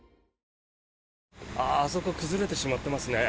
あそこ崩れてしまっていますね。